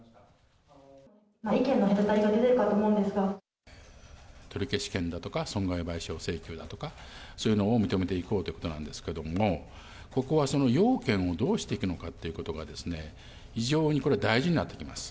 意見の隔たりが出ているかと取消権だとか損害賠償請求だとか、そういうのを認めていこうということなんですけれども、ここは要件をどうしていくのかということがですね、非常にこれ、大事になってきます。